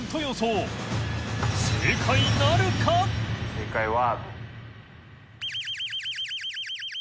正解は。